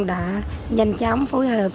đã nhanh chóng phối hợp